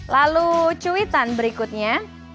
lalu cuitan berikutnya